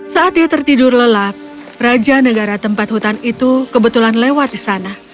saat ia tertidur lelap raja negara tempat hutan itu kebetulan lewat di sana